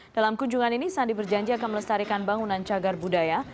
dalam kunjungan ini sandi berjanji akan melestarikan bangunan cagar budaya